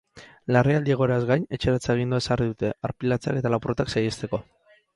Larrialdi egoeraz gain, etxeratze-agindua ezarri dute, arpilatzeak eta lapurretak saihesteko.